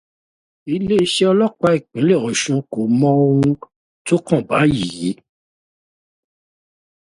Ilé iṣẹ́ ọlọ́pàá ìpínlẹ̀ Ọ̀ṣun kò mọ ohun to kan báyìí